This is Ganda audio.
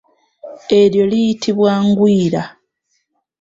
Eryo liyitibwa ngwiira.